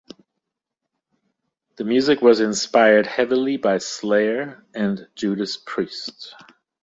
The music was inspired heavily by Slayer and Judas Priest.